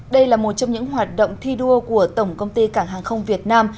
đây là một trong những hoạt động thi đua của tổng công ty cảng hàng không việt nam